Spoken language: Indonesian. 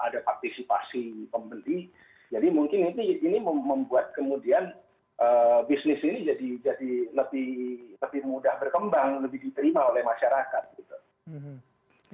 jadi mungkin ini membuat kemudian bisnis ini jadi lebih mudah berkembang lebih diterima oleh masyarakat